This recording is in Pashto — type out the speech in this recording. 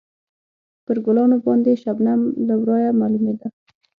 پر ګلانو باندې شبنم له ورایه معلومېده.